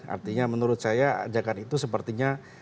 artinya menurut saya ajakan itu sepertinya